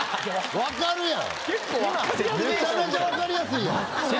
分かるやん。